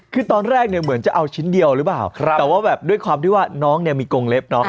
คือตอนแรกเนี่ยเหมือนจะเอาชิ้นเดียวหรือเปล่าแต่ว่าแบบด้วยความที่ว่าน้องเนี่ยมีกงเล็บเนาะ